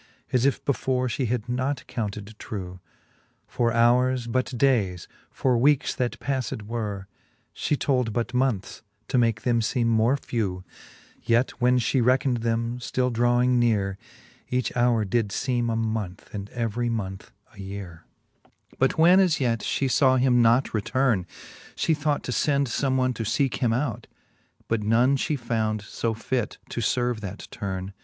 As if before fhe had not counted trew. For houres but dayes ; for weekes, that pafled were, She told but moneths, to make them feeme more few : Yet when fhe reckned them, ftill dravving neare. Each hour did feeme a moneth, and every moneth a yeare. VI. But Canto VI. the Faerie ilueem, 89 VI. But when as yet (he (aw him not returne, She thought to fend fome one to leeke him out ; But none fhe found fo fit to lerve that turne.